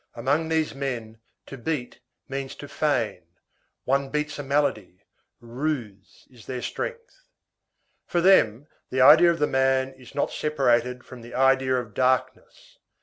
Among these men, to beat means to feign; one beats a malady; ruse is their strength. For them, the idea of the man is not separated from the idea of darkness.